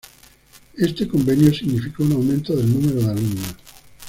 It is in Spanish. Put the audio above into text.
Este convenio significó un aumento del número de alumnos.